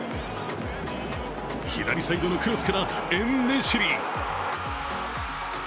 左サイドのクロスからエン＝シネリ。